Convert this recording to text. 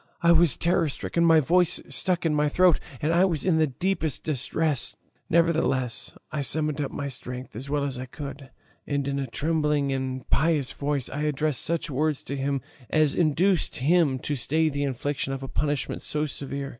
I was terror stricken, my voice stuck in my throat, and I was in the deepest distress; nevertheless I summoned up my strength as well as I could, and in a trembling and piteous voice I addressed such words to him as induced him to stay the infliction of a punishment so severe.